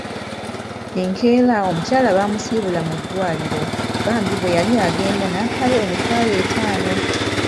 Enkeera omukyala baamusiibula mu ddwaliro bambi bwe yali agenda n'ampaayo emitwalo etaano.